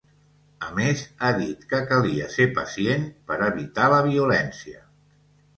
A més, ha dit que calia ser ‘pacient’ per ‘evitar la violència’.